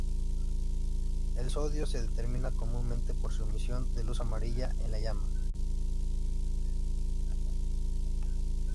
El sodio se determina comúnmente por su emisión de luz amarilla en la llama.